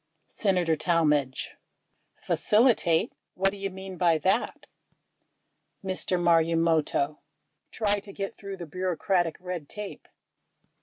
Senator Talmadge. "Facilitate" — what do you mean by that? Mr. Marumoto. Try to get through the bureaucratic red tape.